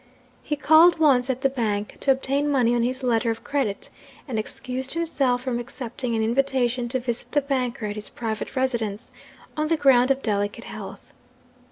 He called once at the bank to obtain money on his letter of credit, and excused himself from accepting an invitation to visit the banker at his private residence, on the ground of delicate health.